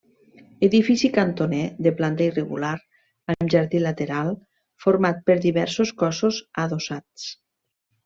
Edifici cantoner de planta irregular amb jardí lateral, format per diversos cossos adossats.